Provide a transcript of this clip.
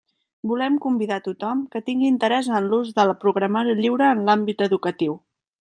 Volem convidar tothom que tingui interès en l'ús del programari lliure en l'àmbit educatiu.